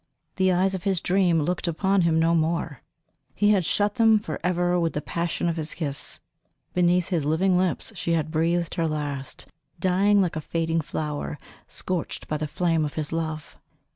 The eyes of his dream looked upon him no more; he had shut them for ever with the passion of his kiss. Beneath his living lips she had breathed her last, dying like a fading flower, scorched by the flame of his love!